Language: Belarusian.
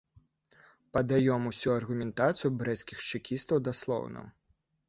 Падаём усю аргументацыю брэсцкіх чэкістаў даслоўна.